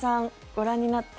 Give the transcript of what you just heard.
ご覧になって。